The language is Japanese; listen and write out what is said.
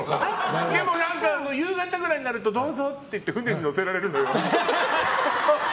でも夕方ぐらいになるとどうぞって船に乗せられるのよ。